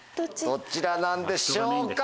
どちらなんでしょうか？